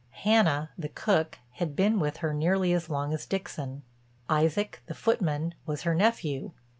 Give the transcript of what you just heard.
Hannah, the cook, had been with her nearly as long as Dixon; Isaac, the footman, was her nephew.